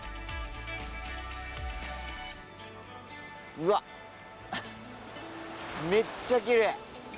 うわ、めっちゃきれい。